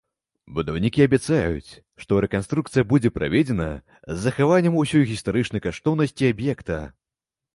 Будаўнікі абяцаюць, што рэканструкцыя будзе праведзена з захаваннем ўсёй гістарычнай каштоўнасці аб'екта.